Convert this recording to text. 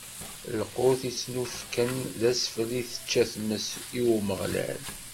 D lqut yettunefken d asfel i tečča tmes, i Umeɣlal.